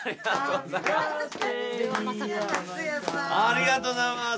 ありがとうございます。